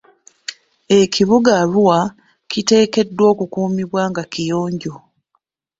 Ekibuga Arua kiteekeddwa okukuumibwa nga kiyonjo.